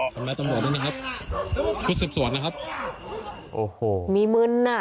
คนแม่ตำลักษณ์นั้นนะครับคุณสิบสวนนะครับโอ้โหมีมื้นอ่ะ